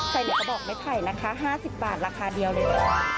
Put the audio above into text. ใส่เหลือกระบอกไหว้ไผลนะคะห้าสิบบาทราคาเดียวเลย